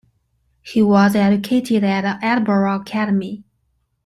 He was educated at Edinburgh Academy.